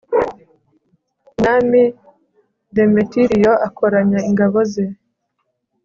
umwami demetiriyo akoranya ingabo ze